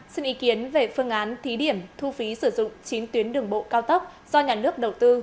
xin ý kiến về phương án thí điểm thu phí sử dụng chín tuyến đường bộ cao tốc do nhà nước đầu tư